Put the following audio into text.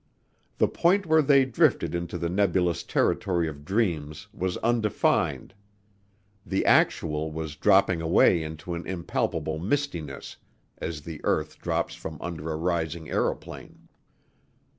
The point where they drifted into the nebulous territory of dreams was undefined. The actual was dropping away into an impalpable mistiness as the earth drops from under a rising aëroplane.